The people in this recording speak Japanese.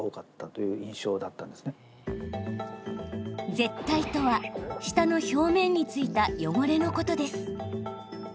舌たいとは舌の表面についた汚れのことです。